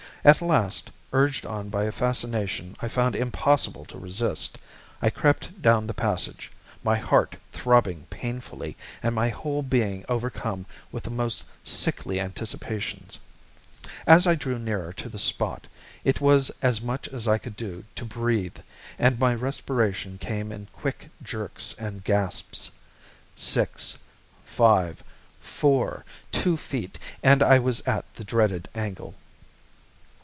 At last, urged on by a fascination I found impossible to resist, I crept down the passage, my heart throbbing painfully and my whole being overcome with the most sickly anticipations. As I drew nearer to the spot, it was as much as I could do to breathe, and my respiration came in quick jerks and gasps. Six, five, four, two feet and I was at the dreaded angle.